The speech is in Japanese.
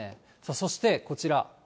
そしてこちら。